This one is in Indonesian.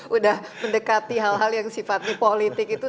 udah mendekati hal hal yang sifatnya politik itu